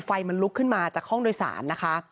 ไฟมันลุกขึ้นมาจากห้องโดยสารนะคะ